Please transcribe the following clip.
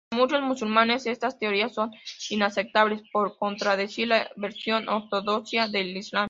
Para muchos musulmanes estas teorías son inaceptables por contradecir la versión ortodoxa del Islam.